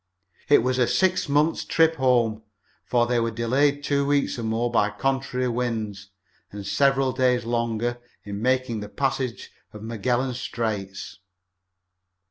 It was a six months' trip home, for they were delayed two weeks or more by contrary winds, and several days longer in making the passage of Magellan Straits.